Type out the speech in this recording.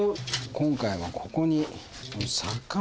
・今回はここに。